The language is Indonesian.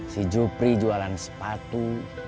si jupri jualan sepatu